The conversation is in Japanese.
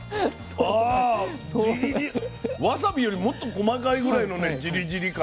あわさびよりもっと細かいぐらいのねジリジリ感。